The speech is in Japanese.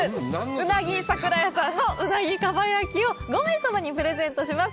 うなぎ桜家さんのうなぎ蒲焼きを５名様にプレゼントします